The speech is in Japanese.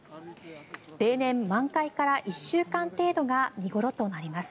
例年、満開から１週間程度が見頃となります。